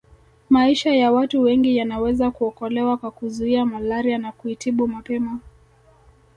Maisha ya watu wengi yanaweza kuokolewa kwa kuzuia malaria na kuitibu mapema